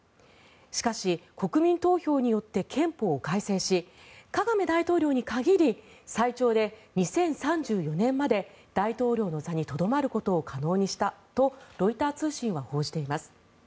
しかし、国民投票によって憲法を改正しカガメ大統領に限り最長で２０３４年まで大統領の座にとどまることを可能にしたとロイター通信は報じています。